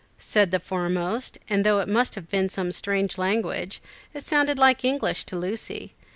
said the foremost; and though it must have been some strange language, it sounded like English to Lucy.